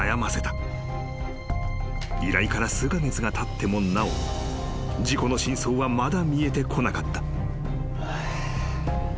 ［依頼から数カ月がたってもなお事故の真相はまだ見えてこなかった］